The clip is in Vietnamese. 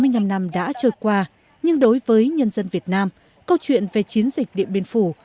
sáu mươi năm năm đã trôi qua nhưng đối với nhân dân việt nam câu chuyện về chiến dịch điện biên phủ